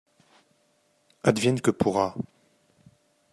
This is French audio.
Advienne que pourra.